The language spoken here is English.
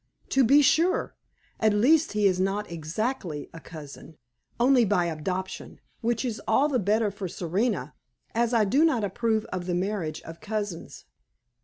"To be sure. At least, he is not exactly a cousin, only by adoption; which is all the better for Serena, as I do not approve of the marriage of cousins."